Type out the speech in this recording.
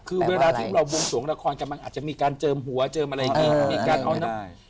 คือเวลาที่เราวงส่วนละครกำลังอาจจะมีการเจิมหัวเจิมอะไรอย่างนี้